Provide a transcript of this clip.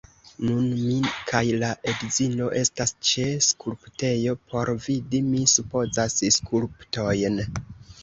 Nun mi kaj la edzino estas ĉe skulptejo, por vidi, mi supozas, skulptojn.